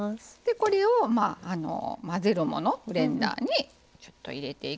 これを混ぜるものブレンダーに入れていきます。